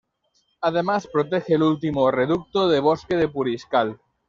Además protege el último reducto de bosque de Puriscal.